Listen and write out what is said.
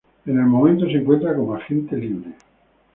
En el momento se encuentra como Agente Libre.